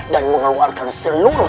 dan mengeluarkan seluruh